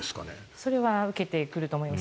それは受けてくると思います。